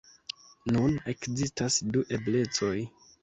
Nun ekzistas du eblecoj.